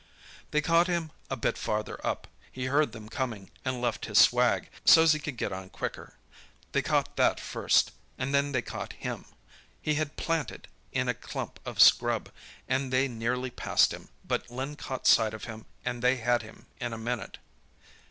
"They caught him a bit farther up. He heard them coming, and left his swag, so's he could get on quicker. They caught that first, and then they caught him. He had 'planted' in a clump of scrub, and they nearly passed him, but Len caught sight of him, and they had him in a minute."